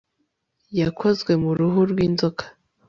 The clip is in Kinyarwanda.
Yakozwe mu ruhu rwinzoka